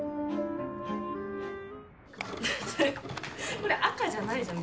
・これ赤じゃないじゃん。